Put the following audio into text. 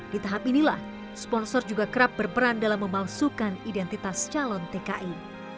di tahap inilah sponsor juga kerap berperan dalam memalsukan identitas calon tki